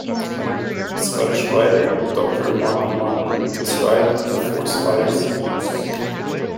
The Scottish writer Doctor Martin Martin described the force-fire's use.